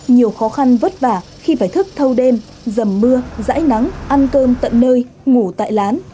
nhiều khó khăn vất vả khi phải thức thâu đêm dầm mưa dãi nắng ăn cơm tận nơi ngủ tại lán